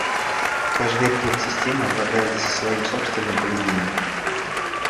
Каждый объект системы обладает своим собственным поведением